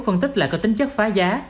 phân tích là có tính chất phá giá